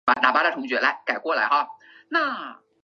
以下列出美国驻南京历任领事。